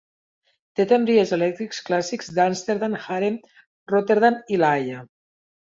Té tramvies elèctrics clàssics d'Amsterdam, Arnhem, Rotterdam, i La Haia.